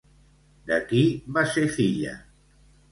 De qui va ser filla?